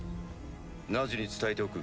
ナジに伝えておく。